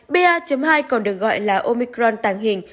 ba hai còn được gọi là omicron tàng hình